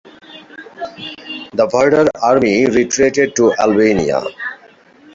The Vardar Army retreated to Albania.